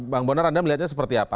bang bonar anda melihatnya seperti apa